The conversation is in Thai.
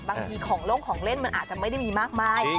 บางทีของโล่งของเล่นมันอาจจะไม่ได้มีมากมาย